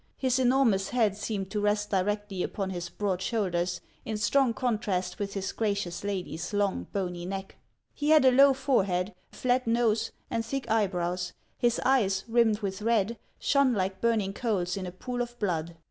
His enormous head seemed to rest directly upon his broad shoulders, in strong contrast with his gracious lady's long, bony neck. He had a low forehead, flat nose, and thick eyebrows ; his eyes, rimmed with red, shone like burning coals in a pool of blood.